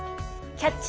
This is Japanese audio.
「キャッチ！